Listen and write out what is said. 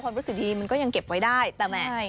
ความรู้สึกดีมันก็ยังเก็บไว้ได้